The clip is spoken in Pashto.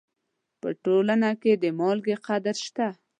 په ټولنه کې د مالګې قدر شته.